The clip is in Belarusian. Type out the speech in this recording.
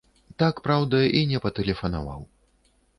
Так, праўда, і не патэлефанаваў.